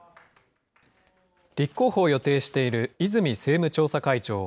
立候補を予定している泉政務調査会長。